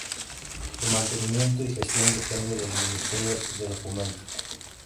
Su mantenimiento y gestión dependen del Ministerio de Fomento.